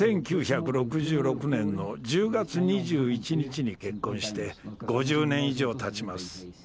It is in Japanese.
１９６６年の１０月２１日に結婚して５０年以上たちます。